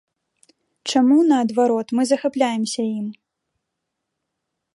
Чаму, наадварот, мы захапляемся ім?